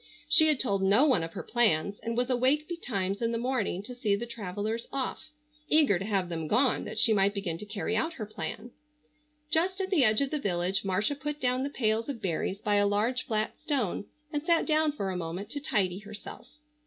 She had told no one of her plans, and was awake betimes in the morning to see the travellers off, eager to have them gone that she might begin to carry out her plan. Just at the edge of the village Marcia put down the pails of berries by a large flat stone and sat down for a moment to tidy herself.